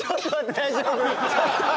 大丈夫？